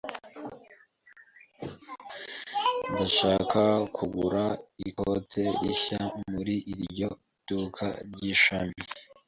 Ndashaka kugura ikote rishya muri iryo duka ryishami.